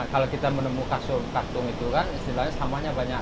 kalau kita menemukan sehake itu kan istilahnya peluk otomanya banyak